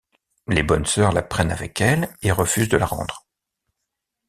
Les bonnes sœurs la prennent avec elles et refusent de la rendre.